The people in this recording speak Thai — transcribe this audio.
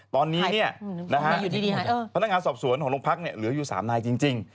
ตอนนี้พนักงานสอบสวนของโรงพักเหลืออยู่๓นายจริง